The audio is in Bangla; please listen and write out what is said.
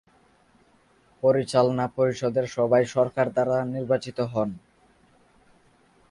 পরিচালনা পর্ষদের সবাই সরকার দ্বারা নির্বাচিত হন।